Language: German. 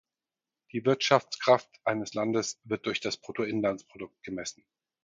Die Wirtschaftskraft eines Landes wird durch das Bruttoinlandsprodukt gemessen.